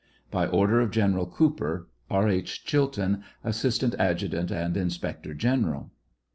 By order of General Cooper; R. H. CHILTON, Assistant Adjutant and Inspector General.